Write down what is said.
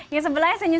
yang sebelahnya senjata